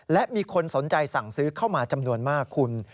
และมีคนสนใจสั่งซื้อเข้ามาจำนวนมากคุณ